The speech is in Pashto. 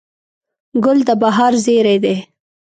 ګل د بهار زېری دی.